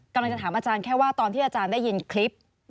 กำลังจะถามอาจารย์แค่ว่าตอนที่อาจารย์ได้ยินคลิป